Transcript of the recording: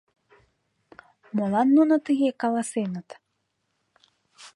Молан нуно тыге каласеныт?